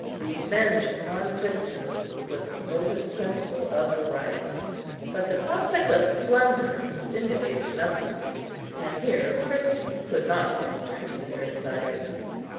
Revenge upon Christians was the motive principle of the riot; but the prospect of plunder stimulated numbers, and here Christians could not minister to their desires.